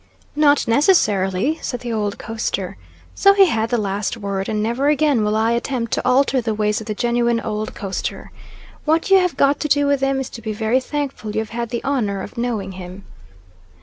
"Not necessarily," said the old coaster. So he had the last word, and never again will I attempt to alter the ways of the genuine old coaster. What you have got to do with him is to be very thankful you have had the honour of knowing him.